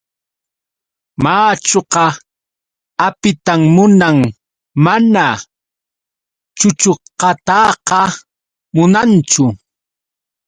Machuqa apitan munan mana chuchuqataqa munanchu.